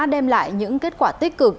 đem lại những kết quả tích cực